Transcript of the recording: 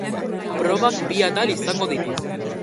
Probak bi atal izango ditu.